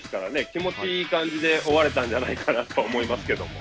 気持ちいい感じで終われたんじゃないかなと思いますけども。